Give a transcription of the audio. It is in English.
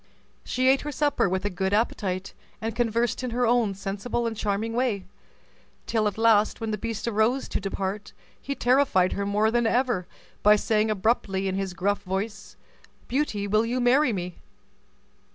She ate her supper with a good appetite, and conversed in her own sensible and charming way, till at last, when the beast rose to depart, he terrified her more than ever by saying abruptly, in his gruff voice, "Beauty, will you marry me?"